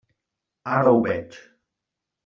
Ara ho veig.